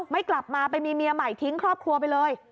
ไม่กลับมาไปมีเมียใหม่ทิ้งครอบครัวไปเลย